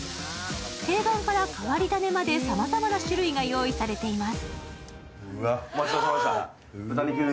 定番から変わり種まで、さまざまな種類が用意されています。